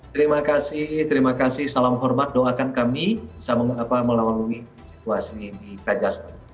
terima kasih terima kasih salam hormat doakan kami bisa melalui situasi di kajastan